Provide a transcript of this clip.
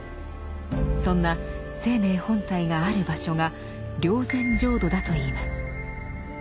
そんな「生命本体」がある場所が「霊山浄土」だといいます。